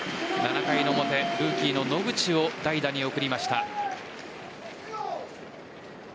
７回の表、ルーキーの野口を代打に送りました。